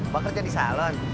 kok kerja di salon